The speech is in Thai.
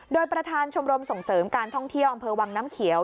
โดยประธานชมรมส่งเสริมการท่องเที่ยวอำเภอวังน้ำเขียว